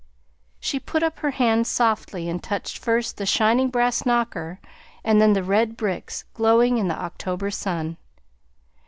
She put up her hand softly and touched first the shining brass knocker and then the red bricks, glowing in the October sun.